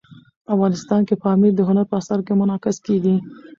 افغانستان کې پامیر د هنر په اثار کې منعکس کېږي.